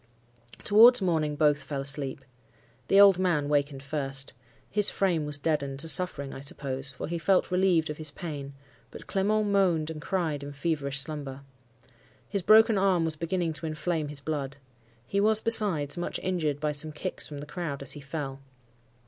Towards morning both fell asleep. The old man wakened first. His frame was deadened to suffering, I suppose, for he felt relieved of his pain; but Clement moaned and cried in feverish slumber. His broken arm was beginning to inflame his blood. He was, besides, much injured by some kicks from the crowd as he fell.